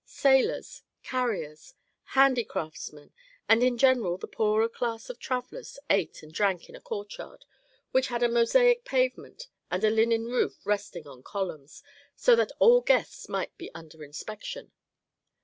Sailors, carriers, handicraftsmen, and in general the poorer class of travellers ate and drank in a courtyard which had a mosaic pavement and a linen roof resting on columns, so that all guests might be under inspection.